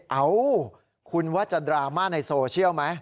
เอ้าคุณว่าจะดราม่าในโซเชียลไหม